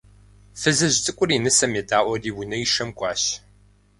Фызыжь цӀыкӀур и нысэм едаӀуэри унэишэм кӀуащ.